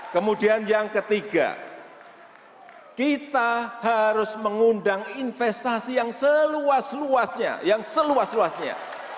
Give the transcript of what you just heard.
kemudian yang ketiga kita harus mengundang investasi yang seluas luasnya